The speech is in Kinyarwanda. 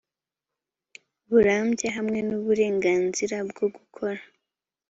burambye hamwe n uburenganzira bwo gukora